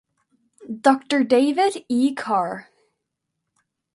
Doctor David E. Carr.